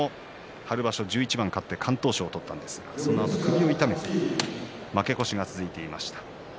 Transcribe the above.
新入幕の春場所、１１番勝って敢闘賞を取りましたがそのあと首を痛めて負け越しが続いていました。